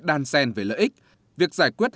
đan xen về lợi ích việc giải quyết